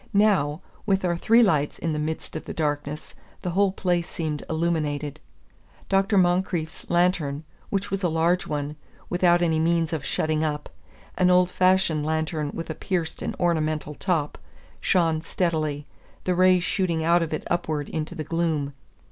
Now, with our three lights in the midst of the darkness, the whole place seemed illuminated. Dr. Moncrieff's lantern, which was a large one, without any means of shutting up, an old fashioned lantern with a pierced and ornamental top, shone steadily, the rays shooting out of it upward into the gloom.